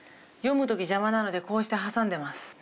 読む時邪魔なのでこうして挟んでます。